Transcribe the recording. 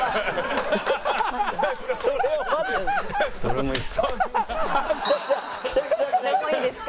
「俺もいいですか？」。